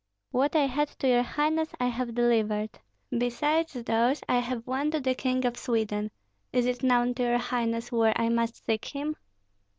"What I had to your highness I have delivered; besides those I have one to the King of Sweden. Is it known to your highness where I must seek him?"